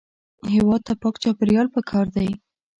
هېواد ته پاک چاپېریال پکار دی